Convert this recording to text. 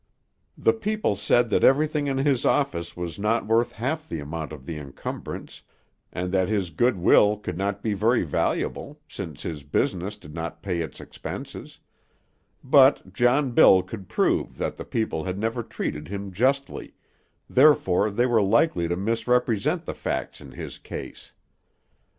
The people said that everything in his office was not worth half the amount of the encumbrance, and that his goodwill could not be very valuable, since his business did not pay its expenses; but John Bill could prove that the people had never treated him justly, therefore they were likely to misrepresent the facts in his case.